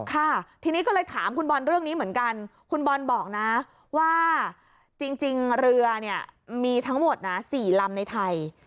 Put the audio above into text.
ค่ะทีนี้ก็เลยถามคุณบอลเรื่องนี้เหมือนกันคุณบอลบอกนะว่าจริงเรือเนี่ยมีทั้งหมดนะ๔ลำในไทย